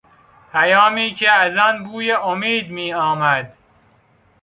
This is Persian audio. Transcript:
پیامی که از آن بوی امید میآمد